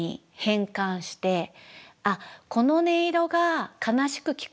この音色が悲しく聞こえるな。